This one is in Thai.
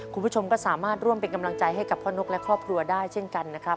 คุณผู้ชมก็สามารถร่วมเป็นกำลังใจให้กับพ่อนกและครอบครัวได้เช่นกันนะครับ